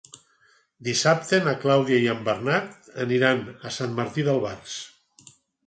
Dissabte na Clàudia i en Bernat aniran a Sant Martí d'Albars.